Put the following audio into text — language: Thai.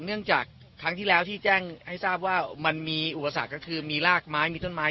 เนื่องจากครั้งที่แล้วที่แจ้งให้ทราบว่ามันมีอุปสรรคก็คือมีรากไม้มีต้นไม้